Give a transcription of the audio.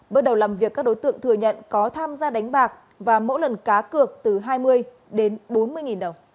bước đầu làm việc các đối tượng thừa nhận có tham gia đánh bạc và mỗi lần cá cược từ hai mươi đến bốn mươi nghìn đồng